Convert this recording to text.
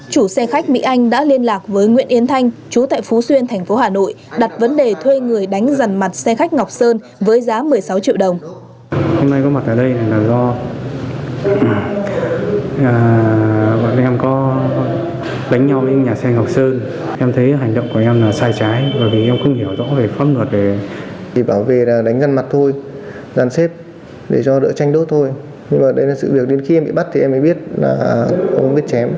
chủ xe khách mỹ anh đã liên lạc với nguyễn yến thanh chú tại phú xuyên tp hà nội đặt vấn đề thuê người đánh dằn mặt xe khách ngọc sơn với giá một mươi sáu triệu đồng